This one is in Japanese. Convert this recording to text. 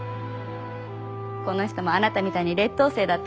この人もあなたみたいに劣等生だったのよ。